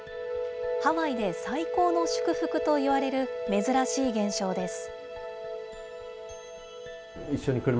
ハワイで最高の祝福といわれる珍しい現象です。